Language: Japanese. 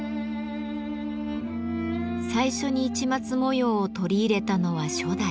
最初に市松模様を取り入れたのは初代。